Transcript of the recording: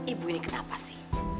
ibu ini kenapa sih